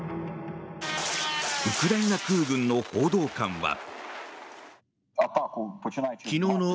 ウクライナ空軍の報道官は。